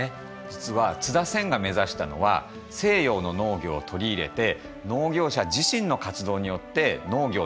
実は津田仙が目指したのは西洋の農業を取り入れて農業者自身の活動によって農業の近代化を実現することだった。